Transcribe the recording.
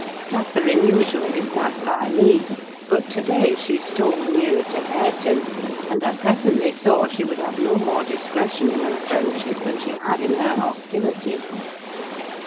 Catherine usually sat by me, but to day she stole nearer to Hareton; and I presently saw she would have no more discretion in her friendship than she had in her hostility.